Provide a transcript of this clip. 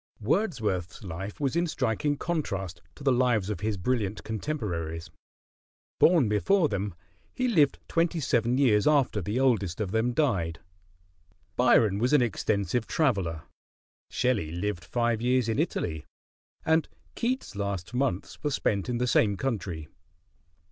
Wordsworth's life was in striking contrast to the lives of his brilliant contemporaries. Born before them, he lived twenty seven years after the oldest of them died. Byron was an extensive traveler, Shelley lived five years in Italy, and Keats' last months were spent in the same country.